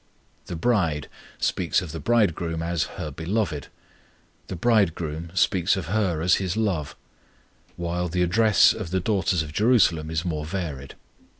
The bride speaks of the Bridegroom as "her Beloved"; the Bridegroom speaks of her as "His love," while the address of the daughters of Jerusalem is more varied.